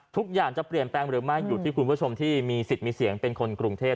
ทุกอย่างจะเปลี่ยนแปลงหรือไม่อยู่ที่คุณผู้ชมที่มีสิทธิ์มีเสียงเป็นคนกรุงเทพ